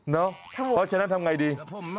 เพราะฉะนั้นทำไงดี